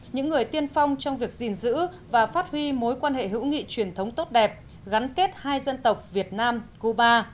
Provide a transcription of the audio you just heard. những người tiên phong trong việc gìn giữ và phát huy mối quan hệ hữu nghị truyền thống tốt đẹp gắn kết hai dân tộc việt nam cuba